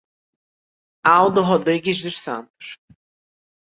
Aldo Rodrigues dos Santos